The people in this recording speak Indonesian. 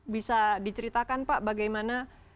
bisa diceritakan pak bagaimana